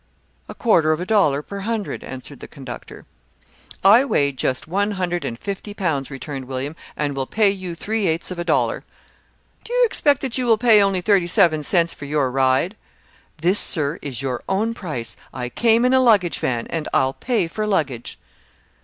"A quarter of a dollar per hundred," answered the conductor. "I weigh just one hundred and fifty pounds," returned William, "and will pay you three eighths of a dollar." "Do you expect that you will pay only thirty seven cents for your ride?" "This, sir, is your own price. I came in a luggage van, and I'll pay for luggage."